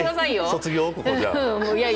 卒業？